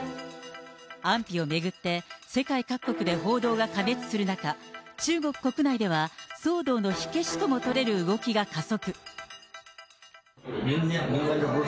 安否を巡って世界各国で報道が過熱する中、中国国内では、騒動の火消しとも取れる動きが加速。